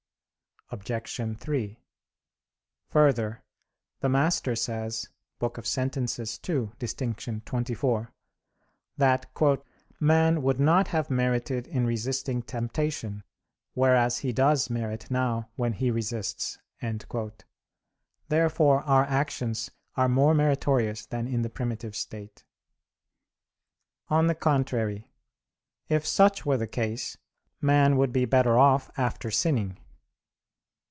Obj. 3: Further, the Master says (Sent. ii., D, xxiv) that "man would not have merited in resisting temptation; whereas he does merit now, when he resists." Therefore our actions are more meritorious than in the primitive state. On the contrary, if such were the case, man would be better off after sinning.